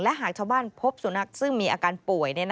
หากชาวบ้านพบสุนัขซึ่งมีอาการป่วย